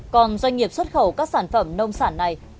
còn doanh nghiệp xuất khẩu các sản phẩm nông sản này